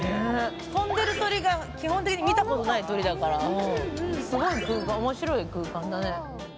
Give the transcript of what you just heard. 飛んでる鳥が基本的に見たことない鳥だから面白い空間だね。